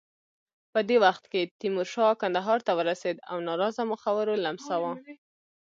په دې وخت کې تیمورشاه کندهار ته ورسېد او ناراضه مخورو لمساوه.